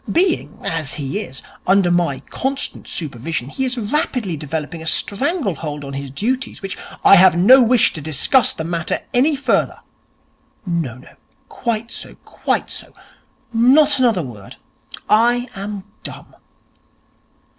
Being, as he is, under my constant supervision he is rapidly developing a stranglehold on his duties, which ' 'I have no wish to discuss the matter any further.' 'No, no. Quite so, quite so. Not another word. I am dumb.'